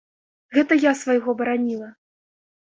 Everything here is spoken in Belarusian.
Гэта я свайго бараніла.